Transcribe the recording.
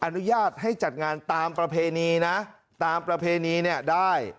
อนุญาตให้จัดงานตามประเพณีนะตามประเพณีเนี่ยได้